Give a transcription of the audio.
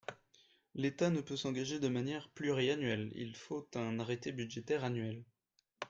L’État ne peut s’engager de manière pluriannuelle : il faut un arrêté budgétaire annuel.